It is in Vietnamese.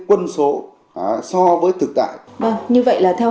quân số so với thực tại như vậy là theo